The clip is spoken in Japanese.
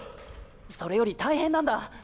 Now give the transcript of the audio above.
それより大変なんだ。